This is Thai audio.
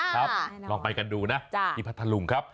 ครับลองไปกันดูนะที่พัทธลุงครับ